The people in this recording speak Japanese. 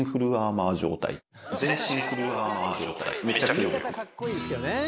言い方かっこいいですけどね。